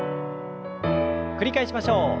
繰り返しましょう。